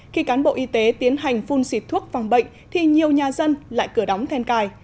khi cán bộ y tế tiến hành phun xịt thuốc phòng bệnh thì nhiều nhà dân lại cửa đóng then cài